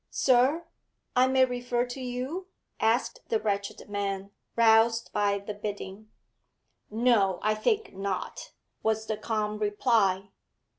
'Sir, I may refer to you?' asked the wretched man, roused by the bidding. 'No, I think not,' was the calm reply.